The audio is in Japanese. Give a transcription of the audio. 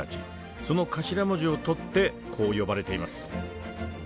その頭文字をとってこう呼ばれています。